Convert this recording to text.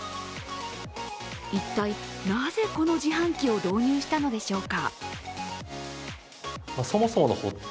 一体なぜこの自販機を導入したのでしょうか。